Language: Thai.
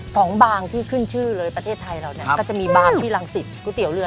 บางที่ขึ้นชื่อเลยประเทศไทยเราเนี่ยก็จะมีบางที่รังสิตก๋วยเตี๋ยวเรือ